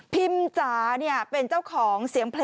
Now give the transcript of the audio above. จ๋าเป็นเจ้าของเสียงเพลง